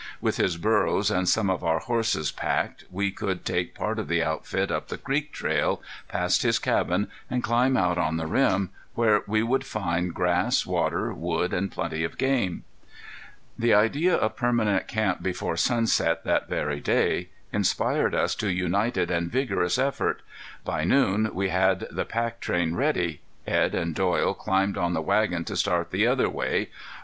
With his burros and some of our horses packed we could take part of the outfit up the creek trail, past his cabin, and climb out on the rim, where we would find grass, water, wood, and plenty of game. The idea of permanent camp before sunset that very day inspired us to united and vigorous effort. By noon we had the pack train ready. Edd and Doyle climbed on the wagon to start the other way.